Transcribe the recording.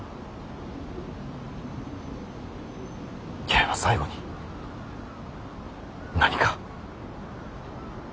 八重は最後に何か。